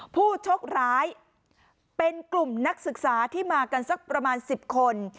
โชคร้ายเป็นกลุ่มนักศึกษาที่มากันสักประมาณ๑๐คน